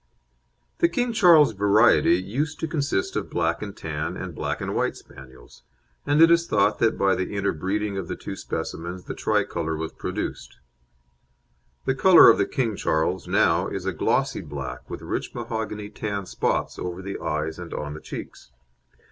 The King Charles variety used to consist of black and tan and black and white Spaniels, and it is thought that by the inter breeding of the two specimens the Tricolour was produced. The colour of the King Charles now is a glossy black with rich mahogany tan spots over the eyes and on the cheeks.